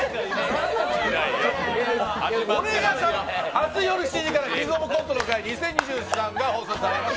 明日夜７時から「キングオブコントの会２０２３」が放送されます。